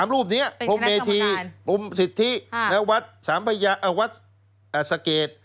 รูปนี้พรมเมธีพรมสิทธิและวัดสะเกด